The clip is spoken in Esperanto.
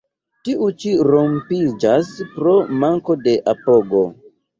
Tiu ĉi rompiĝas pro manko de apogo.